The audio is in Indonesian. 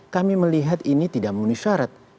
kami melihat ini tidak memenuhi syarat